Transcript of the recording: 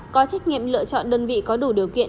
có trách nhiệm lựa chọn đơn vị có đủ điều kiện